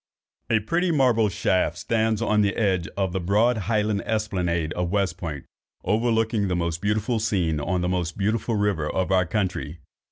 A pretty marble shaft stands on the edge of the broad highland esplanade of West Point, overlooking the most beautiful scene on the most beautiful river of our country.